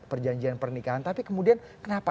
perjanjian pernikahan tapi kemudian kenapa